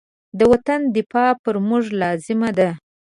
د وطن دفاع پر موږ لازمه ده.